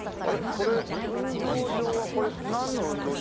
これ運動場はこれなんの運動場？